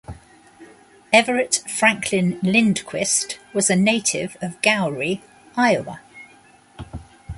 Everett Franklin Lindquist was a native of Gowrie, Iowa.